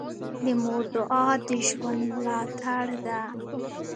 د مور دعا د ژوند ملاتړ ده.